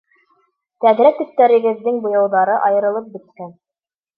Тәҙрә төптәрегеҙҙең буяуҙары айырылып бөткән!